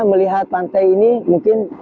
melihat pantai ini mungkin